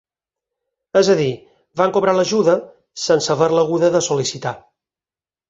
És a dir, van cobrar l’ajuda sense d’haver-la haguda de sol·licitar.